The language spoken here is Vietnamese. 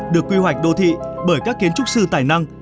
được quy hoạch đô thị bởi các kiến trúc sư tài năng